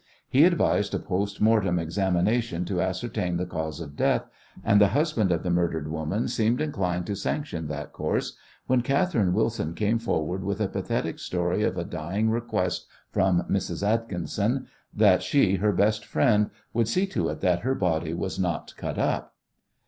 He advised a post mortem examination to ascertain the cause of death, and the husband of the murdered woman seemed inclined to sanction that course when Catherine Wilson came forward with a pathetic story of a dying request from Mrs. Atkinson that she, her best friend, would see to it that her body was not "cut up."